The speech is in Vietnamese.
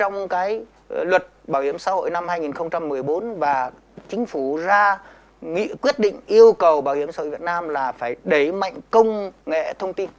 năm hai nghìn một mươi bốn chính phủ ra nghị quyết định yêu cầu bảo hiểm xã hội việt nam là phải đẩy mạnh công nghệ thông tin